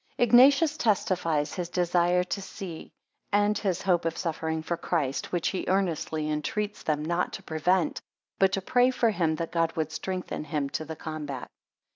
Ignatius testifies his desire to see, and his hopes of suffering for Christ 5 which he earnestly entreats them not to prevent, 10 but to pray for him, that God would strengthen him to the combat.